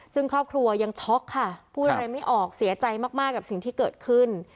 ซึ่งครอบครัวยังช็อกค่ะพูดอะไรไม่ออกเสียใจมากกับสิ่งที่เกิดขึ้น